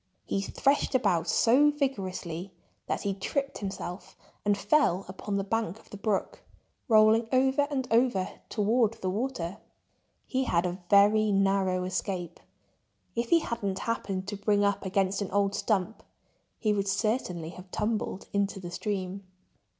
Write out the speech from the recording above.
He threshed about so vigorously that he tripped himself and fell upon the bank of the brook, rolling over and over toward the water. He had a very narrow escape. If he hadn't happened to bring up against an old stump he would certainly have tumbled into the stream.